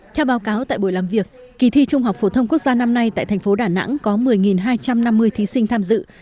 theo báo cáo tại buổi làm việc kỳ thi trung học phổ thông quốc gia năm nay tại thành phố đà nẵng có một mươi hai trăm năm mươi thí sinh tham dự